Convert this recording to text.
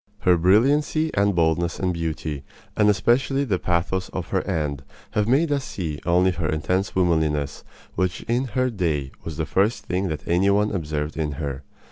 Her brilliancy and boldness and beauty, and especially the pathos of her end, have made us see only her intense womanliness, which in her own day was the first thing that any one observed in her.